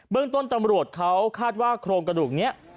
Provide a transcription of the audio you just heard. เรื่องต้นตำรวจเขาคาดว่าโครงกระดูกนี้